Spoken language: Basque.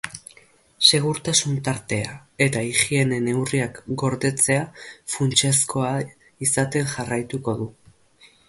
Segurtasun tartea eta higiene-neurriak gordetzea funtsezkoa izaten jarraituko du.